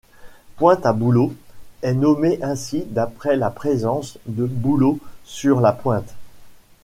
Pointe-à-Bouleau est nommé ainsi d'après la présence de bouleaux sur la pointe.